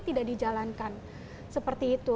tidak dijalankan seperti itu